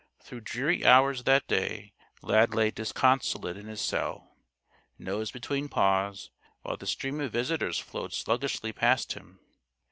Through dreary hours that day Lad lay disconsolate in his cell, nose between paws, while the stream of visitors flowed sluggishly past him.